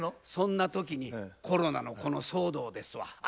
そんな時にコロナのこの騒動ですわ。